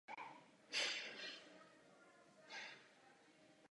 Jedním z jeho častých pražských motivů byl Karlův most.